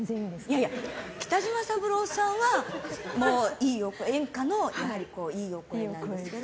いやいや、北島三郎さんは演歌のいいお声なんですけど。